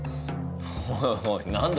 おいおい何だ？